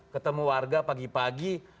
ketemu warga pagi pagi